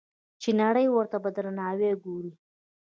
چې نړۍ ورته په درناوي ګوري.